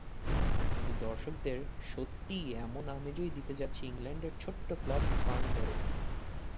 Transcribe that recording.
কিন্তু দর্শকদের সত্যিই এমন আমেজই দিতে যাচ্ছে ইংল্যান্ডের ছোট্ট ক্লাব ফার্নবোরো।